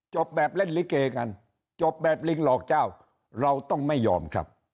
จบแบบเล่นลิเกกันจบแบบลิงหลอกเจ้าเราต้องไม่ยอมครับ